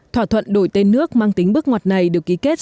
thỏa thuận đổi tên nước mang tính bước ngoặt này được ký kết